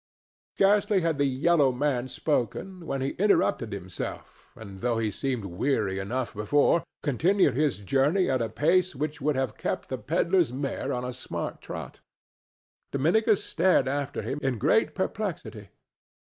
Scarcely had the yellow man spoken, when he interrupted himself and, though he seemed weary enough before, continued his journey at a pace which would have kept the pedler's mare on a smart trot. Dominicus stared after him in great perplexity.